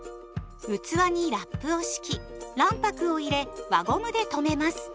器にラップを敷き卵白を入れ輪ゴムで留めます。